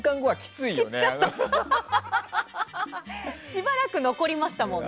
しばらく残りましたもん。